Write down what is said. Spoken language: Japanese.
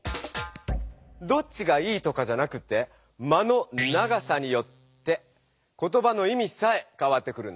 どっちがいいとかじゃなくて「間」の長さによって言葉のいみさえかわってくるんだね。